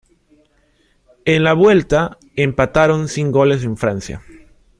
En la vuelta, empataron sin goles en Francia.